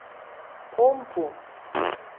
Ом пу!